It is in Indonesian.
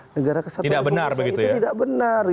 negara kesatuan indonesia itu tidak benar